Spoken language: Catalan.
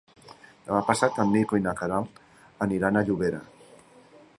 Demà passat en Nico i na Queralt aniran a Llobera.